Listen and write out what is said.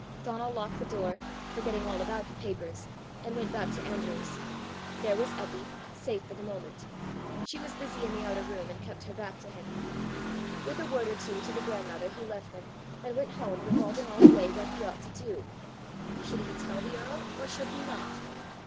Donal locked the door, forgetting all about the papers, and went back to Andrew's. There was Eppy, safe for the moment! She was busy in the outer room, and kept her back to him. With a word or two to the grandmother, he left them, and went home, revolving all the way what he ought to do. Should he tell the earl, or should he not?